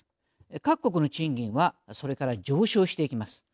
各国の賃金はそれから上昇していきます。